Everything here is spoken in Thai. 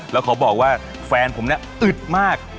แล้วเขาบอกว่าแฟนผมเนี่ยอึดมาก